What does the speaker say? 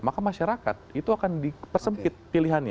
maka masyarakat itu akan dipersempit pilihannya